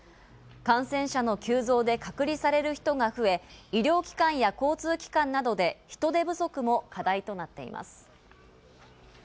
感染者の急増で隔離される人が増え、医療機関や交通機関などで人手不足も課題となっています。